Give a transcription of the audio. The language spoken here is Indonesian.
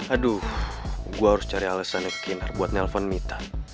aduh gua harus cari alesannya kekinar buat nelfon mita